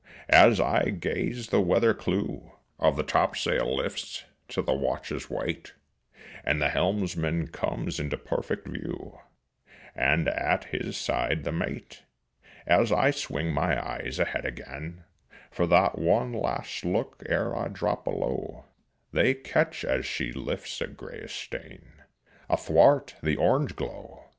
as I gaze the weather clew Of the topsail lifts to the watch's weight, And the helmsman comes into perfect view, And at his side the mate. As I swing my eyes ahead again For that one last look ere I drop below, They catch as she lifts a grayish stain Athwart the orange glow.